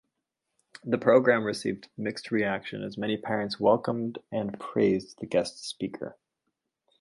The programme received mixed reaction as many parents welcomed and praised the guest speaker.